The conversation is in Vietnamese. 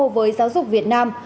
với giáo dục việt nam